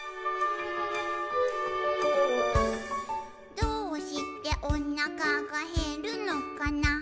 「どうしておなかがへるのかな」